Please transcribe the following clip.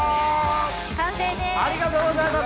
完成です。